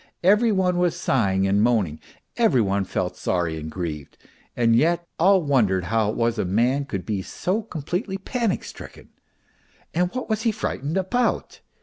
Every one was sighing and moaning, every one felt sorry and grieved, and yet all wondered how it was a man could be so completely panic stricken. And what was he frightened about